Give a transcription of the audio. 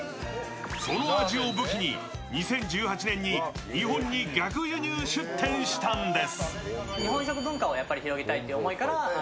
その味を武器に、２０１８年に日本に逆輸入出店したんです。